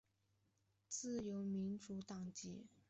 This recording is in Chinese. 自由民主党籍。